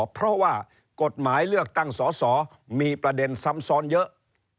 เพราะว่ากฎหมายเลือกตั้งสอสอมีประเด็นซ้ำซ้อนเยอะ